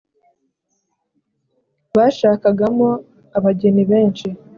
bashakagamo abageni benshi